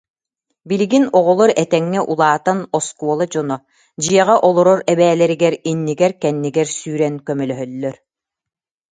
Билигин оҕолор этэҥҥэ улаатан оскуола дьоно, дьиэҕэ олорор эбээлэригэр иннигэр-кэннигэр сүүрэн көмөлөһөллөр